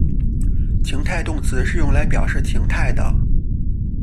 情态动词是用来表示情态的。